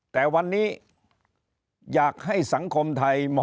แต่วันนี้อยากให้สังคมไทยมีความสุข